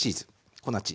粉チーズ。